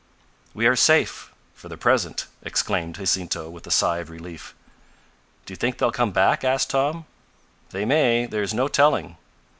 "We are safe for the present!" exclaimed Jacinto with a sigh of relief. "Do you think they will come back?" asked Tom. "They may there is no telling."